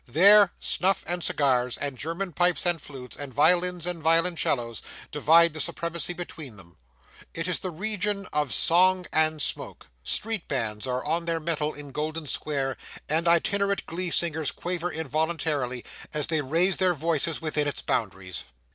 There, snuff and cigars, and German pipes and flutes, and violins and violoncellos, divide the supremacy between them. It is the region of song and smoke. Street bands are on their mettle in Golden Square; and itinerant glee singers quaver involuntarily as they raise their voices within its boundaries.